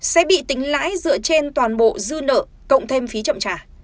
sẽ bị tính lãi dựa trên toàn bộ dư nợ cộng thêm phí chậm trả